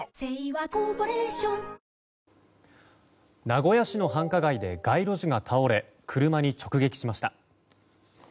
名古屋市の繁華街で街路樹が倒れ車に直撃しました。